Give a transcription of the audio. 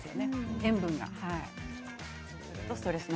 塩分が。